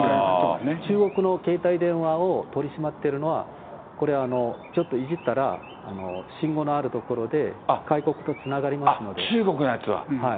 中国の携帯電話を取り締まっているのは、これちょっといじったら、信号のある所で、中国のやつは。